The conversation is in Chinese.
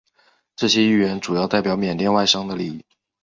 这些议员主要代表缅甸外商的利益。